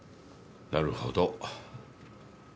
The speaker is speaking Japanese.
なるほど。